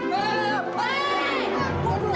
gila buener nah